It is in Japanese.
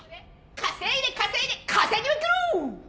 稼いで稼いで稼ぎまくる！